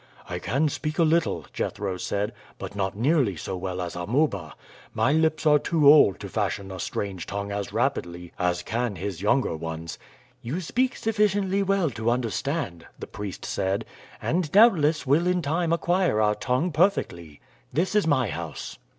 "I can speak a little," Jethro said; "but not nearly so well as Amuba. My lips are too old to fashion a strange tongue as rapidly as can his younger ones." "You speak sufficiently well to understand," the priest said, "and doubtless will in time acquire our tongue perfectly. This is my house."